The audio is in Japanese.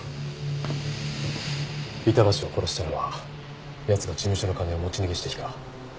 板橋を殺したのは奴が事務所の金を持ち逃げした日か？